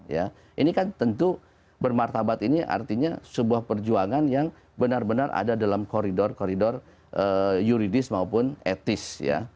ya ini kan tentu bermartabat ini artinya sebuah perjuangan yang benar benar ada dalam koridor koridor yuridis maupun etis ya